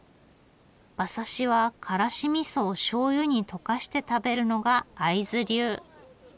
馬刺しはからしみそをしょうゆに溶かして食べるのが会津流。